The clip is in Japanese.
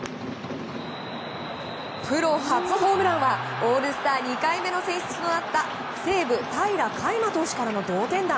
プロ初ホームランはオールスター２回目の選出となった西武の平良海馬投手からの同点弾。